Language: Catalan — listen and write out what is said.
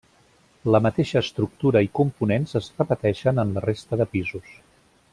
La mateixa estructura i components es repeteixen en la resta de pisos.